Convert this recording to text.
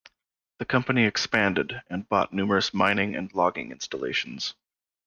The company expanded, and bought numerous mining and logging installations.